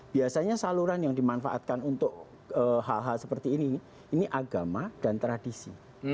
biasanya saluran yang dimanfaatkan untuk hal hal seperti ini ini agama dan tradisi